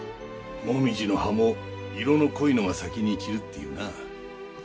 紅葉の葉も色の濃いのが先に散るっていうな。